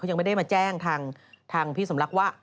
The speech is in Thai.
ยังไม่ได้มาแจ้งทางพี่สมรักว่า